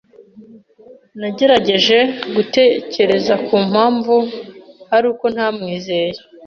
Nagerageje gutekereza ku mpamvu ari uko ntamwizeye.